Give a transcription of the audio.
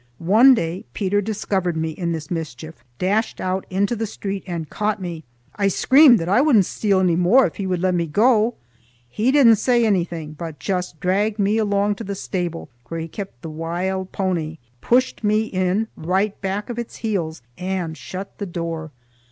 One day Peter discovered me in this mischief, dashed out into the street and caught me. I screamed that I wouldna steal any more if he would let me go. He didn't say anything but just dragged me along to the stable where he kept the wild pony, pushed me in right back of its heels, and shut the door.